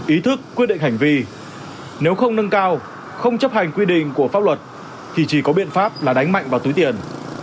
ý thức quyết định hành vi nếu không nâng cao không chấp hành quy định của pháp luật thì chỉ có biện pháp là đánh mạnh vào túi tiền